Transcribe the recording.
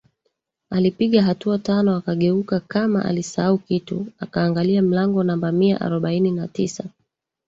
Alipiga hatua tano akageuka kama alisahau kitu akaangalia mlango namba mia arobaini na tisa